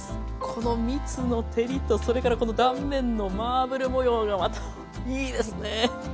このみつの照りとそれからこの断面のマーブル模様がまたいいですね！